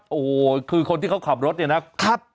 โอ้โหคือคนที่เขาขับรถเนี่ยนะครับ